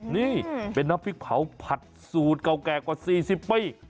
นี่เป็นน้ำพริกเผาผัดสูตรเก่าแก่กว่า๔๐ปี